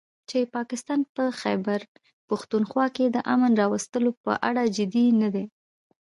چې پاکستان په خيبرپښتونخوا کې د امن راوستلو په اړه جدي نه دی